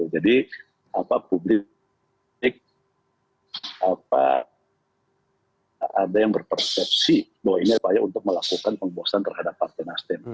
jadi publik ada yang berpersepsi bahwa ini adalah cara untuk melakukan pembosan terhadap pak tenas dem